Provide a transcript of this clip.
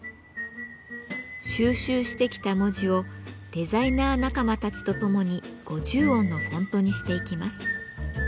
収集してきた文字をデザイナー仲間たちと共に５０音のフォントにしていきます。